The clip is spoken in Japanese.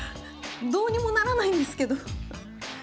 どうにもならないんですけど。